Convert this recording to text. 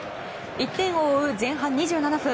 １点を追う前半２７分